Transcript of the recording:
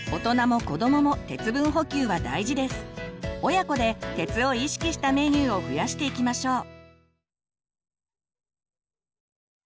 親子で鉄を意識したメニューを増やしていきましょう。